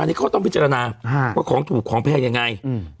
อันนี้เขาต้องพิจารณาว่าของถูกของแพงยังไงอืม